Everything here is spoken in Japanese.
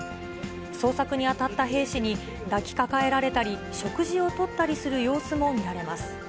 捜索に当たった兵士に抱きかかえられたり、食事をとったりする様子も見られます。